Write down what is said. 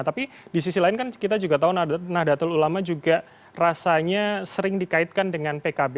tapi di sisi lain kan kita juga tahu nahdlatul ulama juga rasanya sering dikaitkan dengan pkb